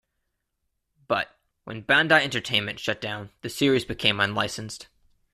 But, when Bandai Entertainment shut down, the series became unlicensed.